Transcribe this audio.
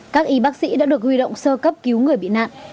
các y bác sĩ đã được huy động sơ cấp cứu người bị nạn